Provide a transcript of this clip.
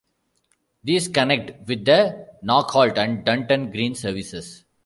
These connect with the Knockholt and Dunton Green services.